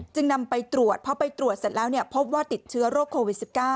นำไปตรวจเพราะไปตรวจเสร็จแล้วพบว่าติดเชื้อโรคโควิด๑๙